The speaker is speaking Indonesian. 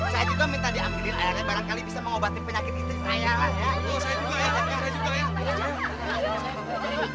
saya juga minta diambilin air barangkali bisa mengobati penyakit itu sayang